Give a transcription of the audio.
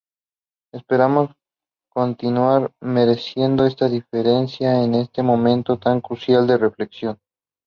Esperamos continuar mereciendo esta diferencia en este momento tan crucial de reflexión¨.